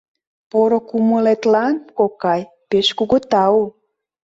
Поро кумылетлан, кокай, пеш кугу тау.